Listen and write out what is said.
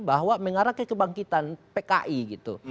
bahwa mengarah ke kebangkitan pki gitu